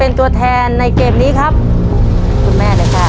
ครอบครัวของแม่ปุ้ยจังหวัดสะแก้วนะครับ